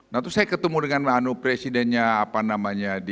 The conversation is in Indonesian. nah itu saya ketemu dengan presidennya apa namanya